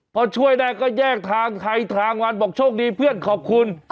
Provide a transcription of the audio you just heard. โอ้พอช่วยได้ก็แยกทางให้ทางของพี่มาบอกโชคดีเพื่อนขอบคุณ